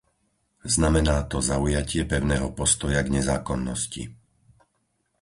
Znamená to zaujatie pevného postoja k nezákonnosti.